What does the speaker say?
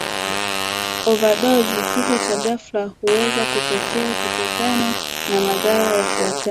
overdose kifo cha ghafla huweza kutokea kutokana na madhara yafuatayo